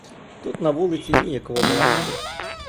Тут на вулиці ніяково балакати.